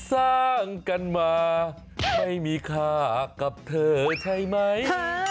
สร้างกันมาไม่มีค่ากับเธอใช่ไหม